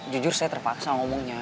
jujur saya terpaksa ngomongnya